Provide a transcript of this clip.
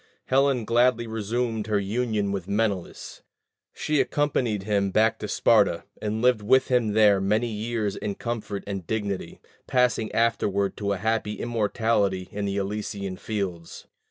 Helen gladly resumed her union with Menelaus; she accompanied him back to Sparta, and lived with him there many years in comfort and dignity, passing afterward to a happy immortality in the Elysian fields.